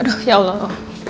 aduh ya allah